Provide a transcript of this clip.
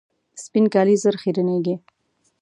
سپین کالي ژر خیرنېږي.